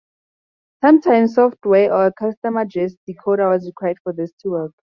Sometimes software or a custom address decoder was required for this to work.